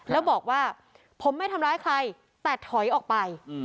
แล้วบอกว่าผมไม่ทำร้ายใครแต่ถอยออกไป